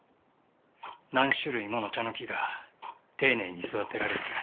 何種類ものチャノキが丁寧に育てられていた。